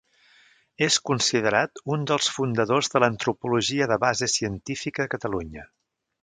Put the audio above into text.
És considerat un dels fundadors de l'antropologia de base científica a Catalunya.